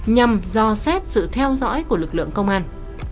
nhằm do xét sự theo dõi của lực lượng công an